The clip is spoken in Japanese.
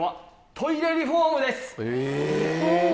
トイレリフォーム？